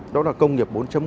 đó là công nghiệp bốn